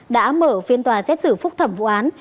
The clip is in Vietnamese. đã mở phiên tòa xét xử phúc thẩm vụ án